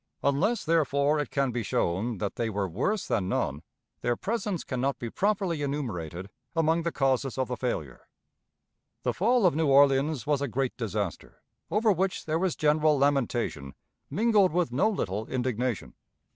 Unless, therefore, it can be shown that they were worse than none, their presence can not be properly enumerated among the causes of the failure. The fall of New Orleans was a great disaster, over which there was general lamentation, mingled with no little indignation.